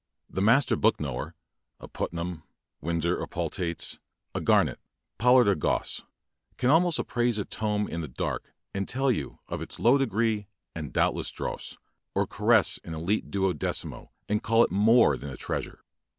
The master book knower — a Putnam, Winsor or Paltaits, a Gar nett, Pollard or Gosse — can almost ap praise a tome in the dark and tell you it is of low degree and doubtless dross, or caress an £lite duodecimo and call it more than treasure.